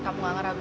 itu bukan kegilaan